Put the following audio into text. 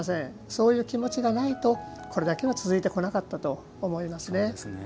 そういう気持ちがないとこれだけ続いてこなかったと思いますね。